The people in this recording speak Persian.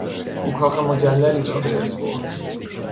او کاخ مجللی را به ارث برد.